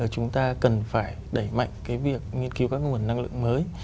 chúng ta cần phải đẩy mạnh cái việc nghiên cứu các nguồn năng lượng mới